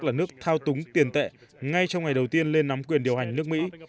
là nước thao túng tiền tệ ngay trong ngày đầu tiên lên nắm quyền điều hành nước mỹ